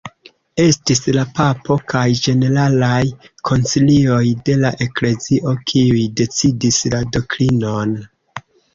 Estis la papo kaj ĝeneralaj koncilioj de la eklezio kiuj decidis la doktrinon.